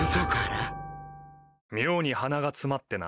妙にはなが詰まってな。